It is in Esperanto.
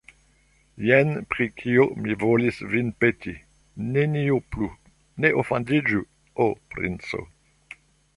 Jen pri kio mi volis vin peti, nenio plu, ne ofendiĝu, ho, princo!